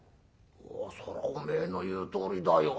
「ああそらお前の言うとおりだよ。